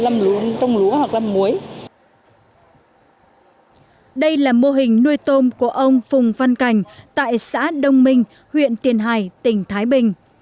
mô hình nuôi tôm của ông phùng văn cảnh tại xã đông minh huyện tiền hải tỉnh thái bình